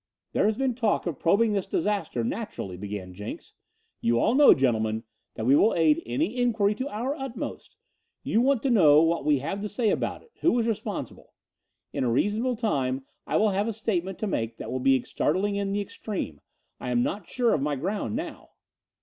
"There has been talk of probing this disaster, naturally," began Jenks. "You all know, gentlemen, that we will aid any inquiry to our utmost. You want to know what we have to say about it who is responsible. In a reasonable time I will have a statement to make that will be startling in the extreme. I am not sure of my ground now."